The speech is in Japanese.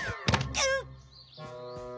うっ。